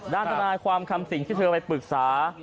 ด้านทนายความคำสิ่งที่เธอไปปรึกษา